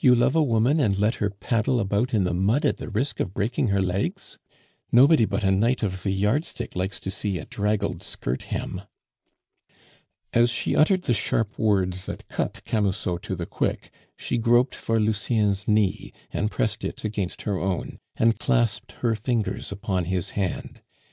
you love a woman and let her paddle about in the mud at the risk of breaking her legs? Nobody but a knight of the yardstick likes to see a draggled skirt hem." As she uttered the sharp words that cut Camusot to the quick, she groped for Lucien's knee, and pressed it against her own, and clasped her fingers upon his hand.